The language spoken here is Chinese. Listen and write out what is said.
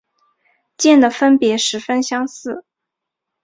间的分别十分相似。